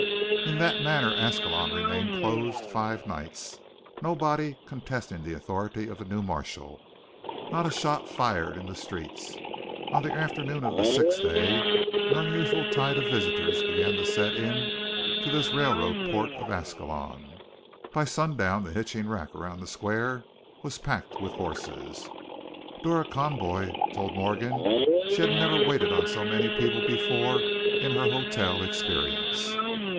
In that manner Ascalon remained closed five nights, nobody contesting the authority of the new marshal, not a shot fired in the streets. On the afternoon of the sixth day an unusual tide of visitors began to set in to this railroad port of Ascalon. By sundown the hitching rack around the square was packed with horses; Dora Conboy told Morgan she never had waited on so many people before in her hotel experience.